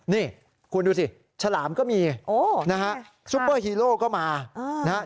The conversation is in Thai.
นี่คุณดูสิฉลามก็มีนะฮะซุปเปอร์ฮีโร่ก็มานะฮะ